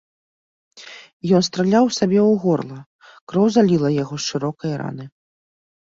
Ён страляў сабе ў горла, кроў заліла яго з шырокае раны.